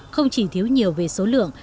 không chỉ thiếu nhiều về số lượng